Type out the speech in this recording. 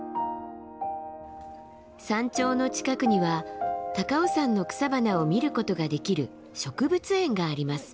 山頂の近くには高尾山の草花を見ることができる植物園があります。